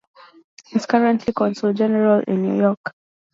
He is currently Consul General in New York.